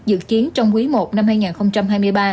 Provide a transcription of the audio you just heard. dự kiến trong quý i năm hai nghìn hai mươi ba